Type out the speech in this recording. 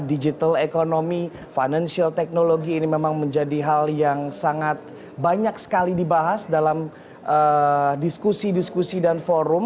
digital economy financial technology ini memang menjadi hal yang sangat banyak sekali dibahas dalam diskusi diskusi dan forum